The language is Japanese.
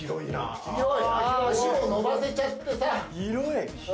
足も伸ばせちゃってさ。